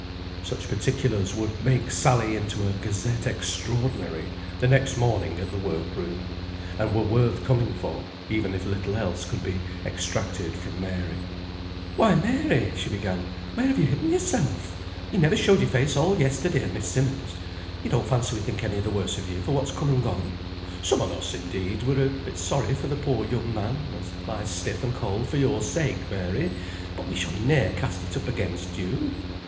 Such particulars would make Sally into a Gazette Extraordinary the next morning at the work room, and were worth coming for, even if little else could be extracted from Mary. "Why, Mary!" she began. "Where have you hidden yourself? You never showed your face all yesterday at Miss Simmonds'. You don't fancy we think any the worse of you for what's come and gone. Some on us, indeed, were a bit sorry for the poor young man, as lies stiff and cold for your sake, Mary; but we shall ne'er cast it up against you.